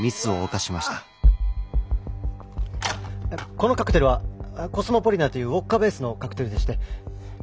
このカクテルはコスモポリタンというウォッカベースのカクテルでして。